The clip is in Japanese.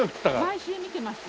毎週見てます。